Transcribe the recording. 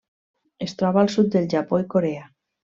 Es troba al sud del Japó i Corea.